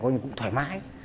coi như cũng thoải mái